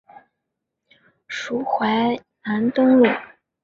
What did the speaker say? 属淮南东路。